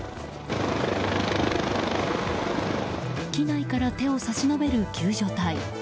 機内から手を差し伸べる救助隊。